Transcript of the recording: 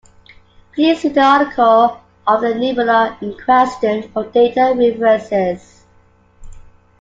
Please see the article of the nebula in question for data references.